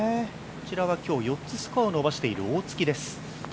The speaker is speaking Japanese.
こちら今日、４つスコアを伸ばしている大槻です。